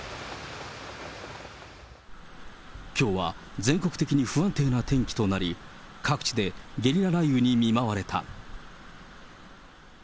きょうは全国的に不安定な天気となり、各地でゲリラ雷雨に見舞われた。